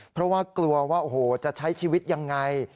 เพราะว่ากลัวว่าโอ้โหจะใช้ชีวิตยังไง